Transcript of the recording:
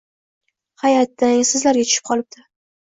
Hay, attang, sizlarga tushib qolibdi.